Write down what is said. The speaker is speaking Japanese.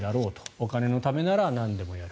お金のためならなんでもやる。